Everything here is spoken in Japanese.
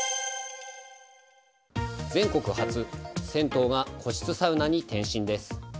全国初、銭湯が個室サウナに転身です。